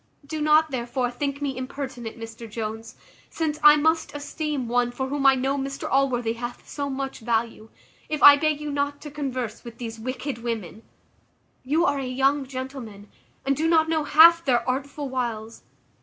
Do not, therefore, think me impertinent, Mr Jones (since I must esteem one for whom I know Mr Allworthy hath so much value), if I beg you not to converse with these wicked women. You are a young gentleman, and do not know half their artful wiles.